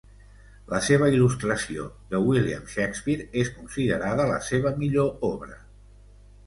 La seva il·lustració de William Shakespeare és considerada la seva millor obra.